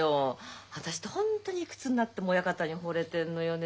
私ってホントにいくつになっても親方にほれてんのよね。